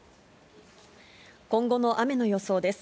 今後の雨の予想です。